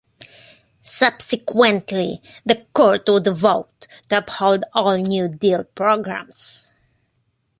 Subsequently, the Court would vote to uphold all New Deal programs.